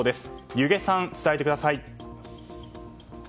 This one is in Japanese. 弓削さん、伝えてください。